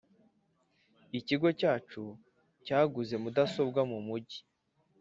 ikigo cyacu cyaguze mudasobwa mu mugi